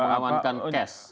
untuk mengawankan cash